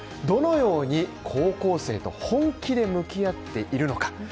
どのように高校生と本気で向き合っているのか。